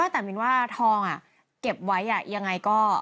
แต่มีว่าทองเก็บไว้อย่างไรก็